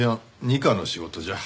二課の仕事じゃ？